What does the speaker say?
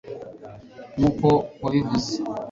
nk'uko wabivuze